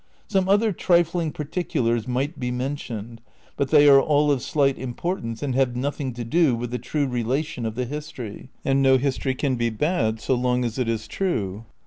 ^ Some other trifling particu lars might be mentioned, but they are all of slight importance and have nothing to do with the true relation of the history ; and no history can be bad so long as it is true.